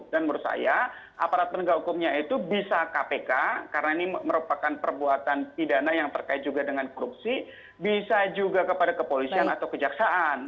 dan menurut saya aparat penegak hukumnya itu bisa kpk karena ini merupakan perbuatan pidana yang terkait juga dengan korupsi bisa juga kepada kepolisian atau kejaksaan